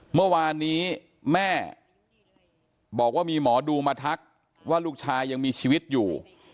เมื่อวานนี้แม่บอกว่ามีหมอดูมาทักว่าลูกชายยังมีชีวิตอยู่